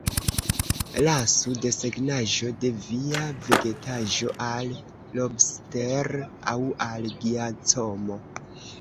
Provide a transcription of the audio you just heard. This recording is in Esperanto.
Lasu desegnaĵon de via vegetaĵo al Lobster aŭ al Giacomo.